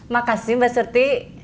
makasih mbak surti